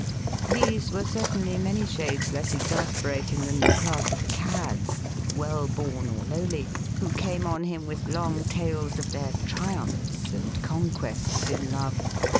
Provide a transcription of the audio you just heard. These were cer tainly many shades less exasperating than the class of cads, well bom or lowly, who came on him with long tales of their triumphs and conquests in love.